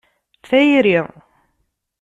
Tayri.